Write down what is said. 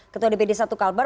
ketua dpd satu kalbar